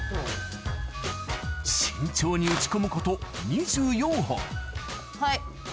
慎重に打ち込むこと２４本はい。